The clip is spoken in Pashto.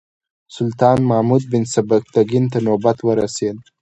سلطان محمود بن سبکتګین ته نوبت ورسېد.